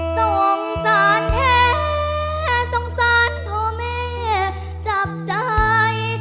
สงสารแท้สงสารพ่อแม่จับใจ